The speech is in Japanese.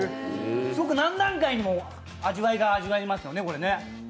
すごく何段階にも味わいが味わえますね。